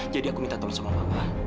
jadi aku minta tangan sama mama